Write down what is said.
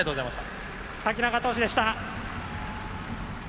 瀧中投手でした。